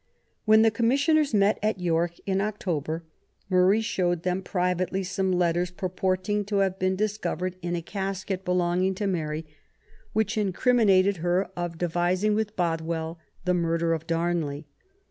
When the Commissioners met at York, in October, Murray showed them privately some letters, purporting to have been dis covered in a casket belonging to Mary, which incrim inated her of devising with Bothwell the murder of Darnley.